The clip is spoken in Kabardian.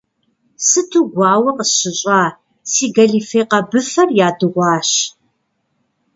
Сыту гуауэ къысщыщӏа, си гэлифе къэбыфэр ядыгъуащ.